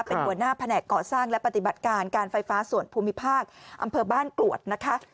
เป็นหัวหน้าแผนกก่อสร้างและปฏิบัติการการไฟฟ้าส่วนภูมิภาคอำเภอบ้านกรวดนะคะ